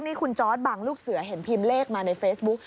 นี่คุณจอร์ดบางลูกเสือเห็นพิมพ์เลขมาในเฟซบุ๊ก